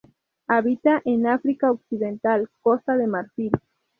Habita en África Occidental, Costa de Marfil.